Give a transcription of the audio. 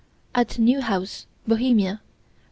at Neuhaus, Bohemia, Dec.